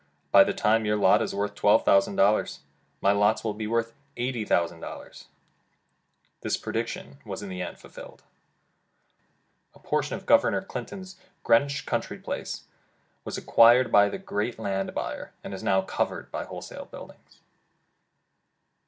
By the time your lot is worth twelve thousand dollars, my lots will be worth eighty thousand dollars. This prediction was in the end fulfilled. A portion of Governor Clinton's Greenwich country place, was ac quired by the great land buyer, and is now covered by wholesale buildings.